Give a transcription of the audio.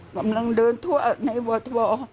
กำลังเดินทั่วในหัวทัวร์